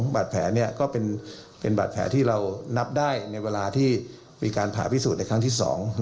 บาดแผลก็เป็นบาดแผลที่เรานับได้ในเวลาที่มีการผ่าพิสูจน์ในครั้งที่๒